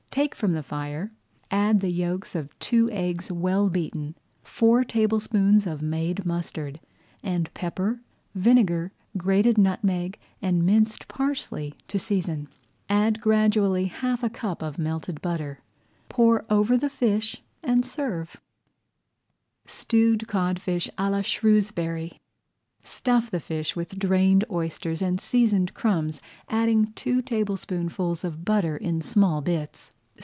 Take from the fire, add the yolks of two eggs well beaten, four tablespoonfuls of made mustard, and pepper, vinegar, grated nutmeg, and minced parsley to season. Add gradually half a cupful of melted butter, pour over the fish, and serve. [Page 106] STEWED CODFISH À LA SHREWSBURY Stuff the fish with drained oysters and seasoned crumbs, adding two tablespoonfuls of butter in small bits.